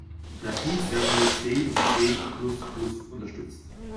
Nativ werden nur C und C-plus-plus unterstützt.